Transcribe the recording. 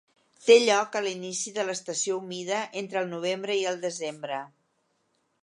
Té lloc a l'inici de l'estació humida, entre el novembre i el desembre.